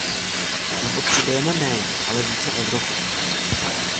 Nepotřebujeme méně, ale více Evropy!